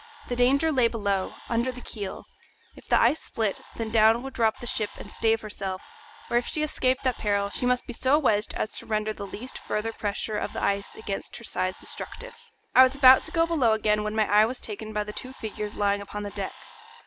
The danger lay below, under the keel; if the ice split, then down would drop the ship and stave herself, or if she escaped that peril she must be so wedged as to render the least further pressure of the ice against her sides destructive. I was about to go below again, when my eye was taken by the two figures lying upon the deck.